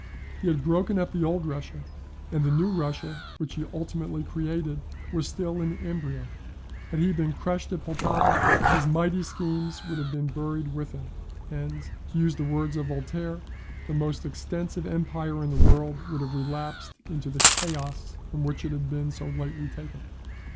He had broken up the old Russia; and the New Russia, which he ultimately created, was still in embryo. Had he been crushed at Pultowa, his mighty schemes would have been buried with him; and (to use the words of Voltaire) "the most extensive empire in the world would have relapsed into the chaos from which it had been so lately taken."